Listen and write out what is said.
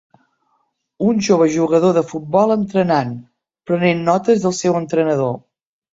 Un jove jugador de futbol entrenant, prenent notes del seu entrenador.